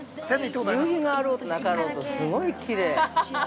◆夕日があろうとなかろうと、すごいきれい。